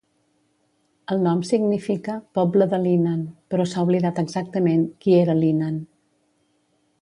El nom significa "Poble de Lynan", però s"ha oblidat exactament qui era Lynan.